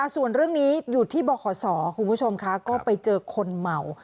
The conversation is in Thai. ส่วนเรื่องนี้อยู่ที่บขศคุณผู้ชมค่ะก็ไปเจอคนเมา